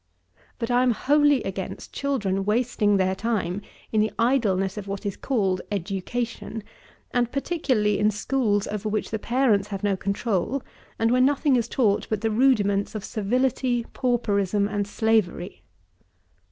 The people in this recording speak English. But I am wholly against children wasting their time in the idleness of what is called education; and particularly in schools over which the parents have no control, and where nothing is taught but the rudiments of servility, pauperism and slavery.